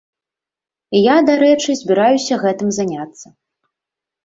І я, дарэчы, збіраюся гэтым заняцца.